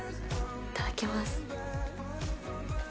いただきます。